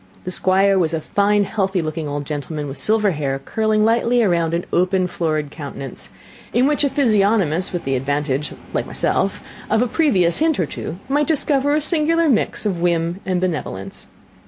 The Squire was a fine, healthy looking old gentleman, with silver hair curling lightly round an open, florid countenance; in which a physiognomist, with the advantage, like myself, of a previous hint or two, might discover a singular mixture of whim and benevolence.